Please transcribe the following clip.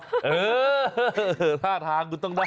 เข้าอาทางคุณต้องได้